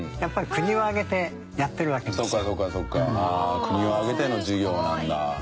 国を挙げての事業なんだ。